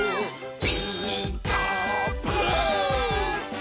「ピーカーブ！」